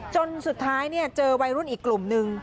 จนสุดท้ายเจอวัยรุ่นอีกกลุ่มนึง